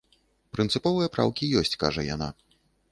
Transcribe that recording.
Прынцыповыя праўкі ёсць, кажа яна.